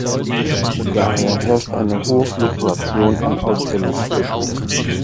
Daher herrscht eine hohe Fluktuation an Ausstellungsstücken.